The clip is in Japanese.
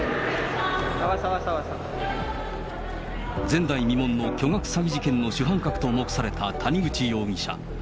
前代未聞の巨額詐欺事件の主犯格と目された谷口容疑者。